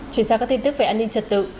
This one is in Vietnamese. chuyển sang các tin tức về an ninh trật tự